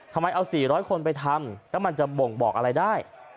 ทำไมเอา๔๐๐คนไปทำแล้วมันจะบ่งบอกอะไรได้